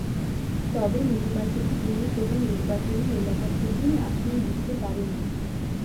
তবে নির্বাচনে তিনি কোনও নির্বাচনী এলাকা থেকেই আসন জিততে পারেননি।